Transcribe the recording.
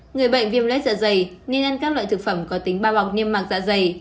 người bệnh viêm lết dạ dày nên ăn các loại thực phẩm có tính bao bọc niêm mạc dạ dày